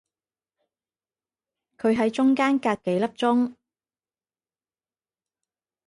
佢係中間隔幾粒鐘